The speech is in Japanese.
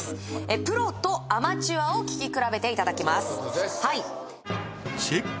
プロとアマチュアを聴き比べていただきますチェック